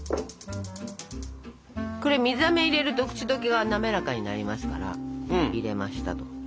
これ水あめを入れると口溶けが滑らかになりますから入れましたと。